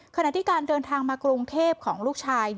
ขณะที่การเดินทางมากรุงเทพของลูกชาย